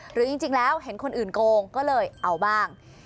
หรือจริงแล้วเห็นคนอื่นโกงก็เลยเอาบ้าง